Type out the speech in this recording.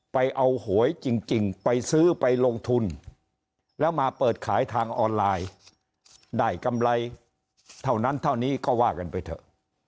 ไปเอาหวยจริงไปซื้อไปลงทุนแล้วมาเปิดขายทางออนไลน์ได้กำไรเท่านั้นเท่านี้ก็ว่ากันไปเถอะ